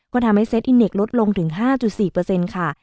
ก็ทำให้เซตอินเน็ตลดลงถึง๕๔ค่ะ